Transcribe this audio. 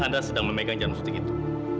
anda sedang memegang jarum suntik itu